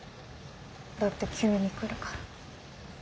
だって急に来るから。